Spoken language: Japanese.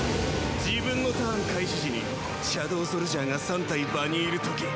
自分のターン開始時にシャドウソルジャーが３体場にいるとき